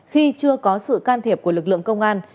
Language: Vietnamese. khi chưa có sự can thiệp của lực lượng công an